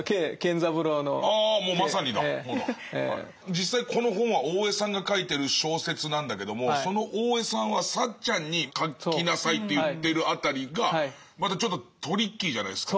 実際この本は大江さんが書いてる小説なんだけどもその大江さんはサッチャンに書きなさいと言ってる辺りがまたちょっとトリッキーじゃないですか。